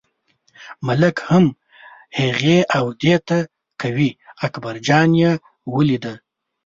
ملک هم هغې او دې ته کوي، اکبرجان یې ولیده.